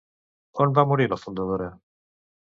On va morir la fundadora?